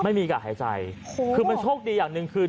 ไม่มีการหายใจโอ้โหคือมันโชคดีอย่างหนึ่งคือ